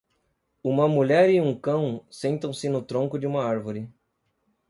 Uma mulher e um cão sentam-se no tronco de uma árvore.